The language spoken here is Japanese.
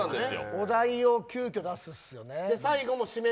お題を急きょ出すんですよね。